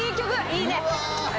いいね。